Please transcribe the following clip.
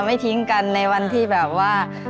ไม่ทิ้งกันในวันที่แบบว่า